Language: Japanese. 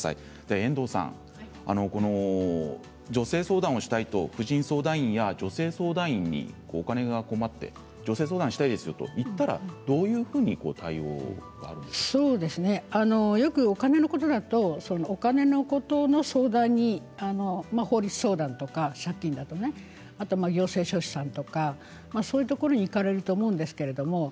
遠藤さん、女性相談をしたいと婦人相談員や女性相談員にお金に困って女性相談したいですよと言ったらどういうふうなよくお金のことだとお金のことの相談に法律相談とか借金だとね行政書士さんとかそういうところに行かれると思うんですけど